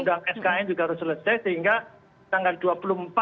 undang undang skn juga harus selesai